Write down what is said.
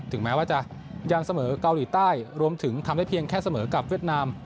แม้ว่าจะยังเสมอเกาหลีใต้รวมถึงทำได้เพียงแค่เสมอกับเวียดนาม